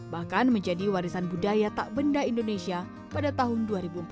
bahkan menjadi warisan budaya tak benda indonesia pada tahun dua ribu empat belas